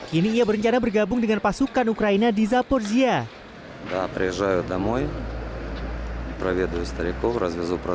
kini ia berencana bergabung dengan pasukan ukraina di zaporzia